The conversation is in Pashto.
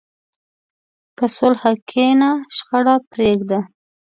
په صلح کښېنه، شخړه پرېږده.